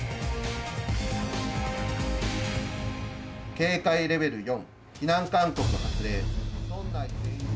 警戒レベル４避難勧告発令。